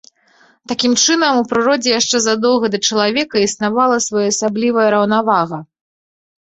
Такім чынам, у прыродзе яшчэ задоўга да чалавека існавала своеасаблівая раўнавага.